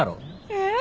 えっ？